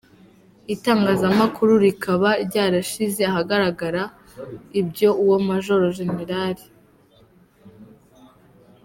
Itangazamakuru rikaba ryarashyize ahagaragara ibyo uwo Majoro Jenerali.